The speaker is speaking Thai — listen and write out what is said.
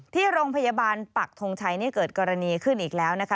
ที่โรงพยาบาลปักทงชัยนี่เกิดกรณีขึ้นอีกแล้วนะคะ